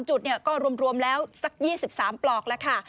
จุดก็รวมแล้วสัก๒๓ปลอกแล้วค่ะ